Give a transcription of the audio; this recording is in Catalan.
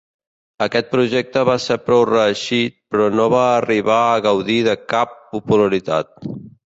Aquest projecte va ser prou reeixit però no va arribar a gaudir de cap popularitat.